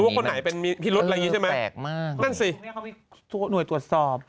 รู้ว่าคนไหนเป็นมีพิลุธอะไรอย่างงี้ใช่ไหมแปลกมากนั่นสินี่เขามีหน่วยตรวจสอบ